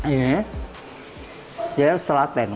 ini dia setelah ten